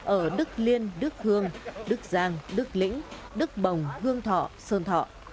ở đức liên đức hương đức giang đức lĩnh đức bồng hương thọ sơn thọ